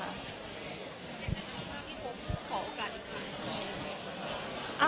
แต่กับพี่โฟบขอโอกาสอีกครั้ง